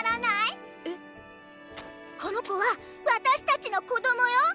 この子はわたしたちの子どもよ。